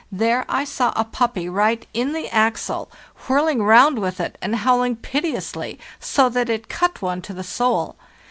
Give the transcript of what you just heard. There I saw a puppy right in the axle, whirling round with it and howl ing piteously, so that it cut one to the soul.